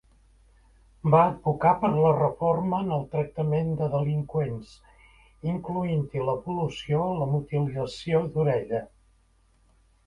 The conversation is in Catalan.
Va advocar per la reforma en el tractament de delinqüents, incloent-hi l'abolició la mutilació d'orella.